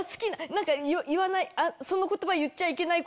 何か言わないその言葉言っちゃいけない。